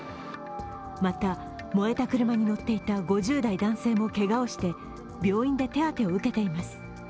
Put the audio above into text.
また、燃えた車に乗っていた５０代男性もけがをして病院で手当てを受けています。